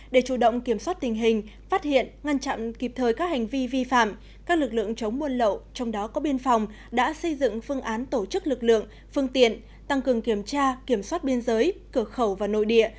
để chủ động kiểm soát tình hình phát hiện ngăn chặn kịp thời các hành vi vi phạm các lực lượng chống buôn lậu trong đó có biên phòng đã xây dựng phương án tổ chức lực lượng phương tiện tăng cường kiểm tra kiểm soát biên giới cửa khẩu và nội địa